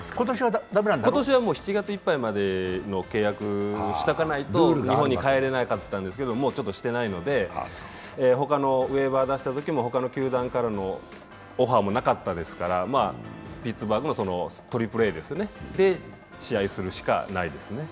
今年は７月いっぱいまでの契約をしておかないと日本に帰れないんですけど、もうちょっとしていないのでほかのウェーバー出したときのほかの球団からのオファーもなかったですからピッツバーグのトリプルＡで試合するしかないですね。